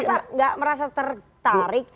masa gak merasa tertarik